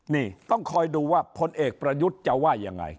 นี่ต้องคอยดูว่าพลเอกประยุทธ์จะว่ายังไง